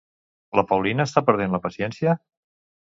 La Paulina està perdent la paciència?